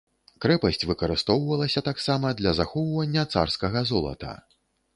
Крэпасць выкарыстоўвалася таксама для захоўвання царскага золата.